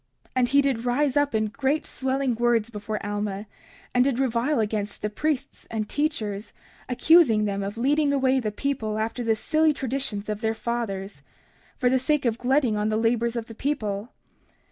30:31 And he did rise up in great swelling words before Alma, and did revile against the priests and teachers, accusing them of leading away the people after the silly traditions of their fathers, for the sake of glutting on the labors of the people.